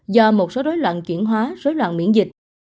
do một số rối loạn chuyển hóa rối loạn miễn dịch